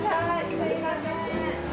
すみません。